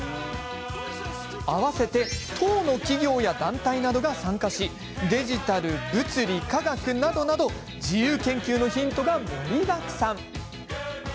合わせて１０の企業や団体などが参加しデジタル、物理、科学などなど自由研究のヒントが盛りだくさん。